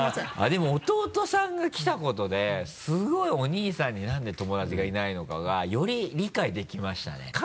でも弟さんが来たことですごいお兄さんに何で友達がいないのかがより理解できましたね。